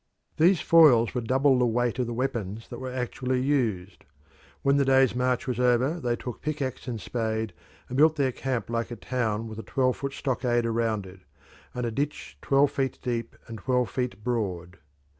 These foils were double the weight of the weapons that were actually used. When the day's march was over they took pick axe and spade, and built their camp like a town with a twelve foot stockade around it, and a ditch twelve feet deep and twelve feet broad.